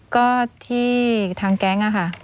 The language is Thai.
ก็ที่ทางแก๊งอะค่ะ